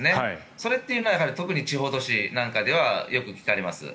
それというのは特に地方都市なんかではよく聞かれます。